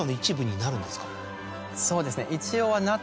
そうですね。